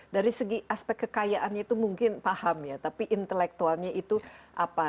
dari segi aspek kekayaannya itu mungkin paham ya tapi intelektualnya itu apa